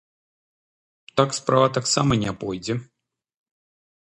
Так справа таксама не пойдзе.